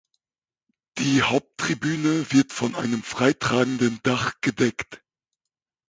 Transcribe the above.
Die Haupttribüne wird von einem freitragenden Dach gedeckt.